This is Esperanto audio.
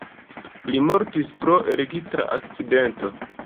Li mortis pro elektra akcidento.